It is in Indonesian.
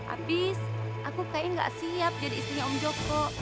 abis aku kayaknya gak siap jadi istrinya om joko